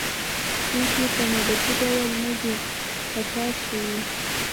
پېښې په نوبتي ډول نه دي قطار شوې.